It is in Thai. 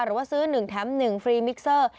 หรือว่าซื้อ๑แถม๑ฟรีมิกเซอร์